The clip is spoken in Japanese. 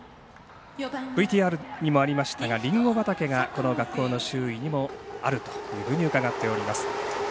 ＶＴＲにもありましたがりんご畑がこの学校の周囲にもあると伺っております。